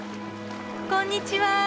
こんにちは。